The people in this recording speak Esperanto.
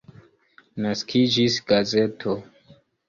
Naskiĝis gazeto.